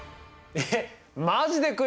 えっ